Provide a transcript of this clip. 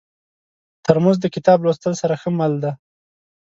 ترموز د کتاب لوست سره ښه مل دی.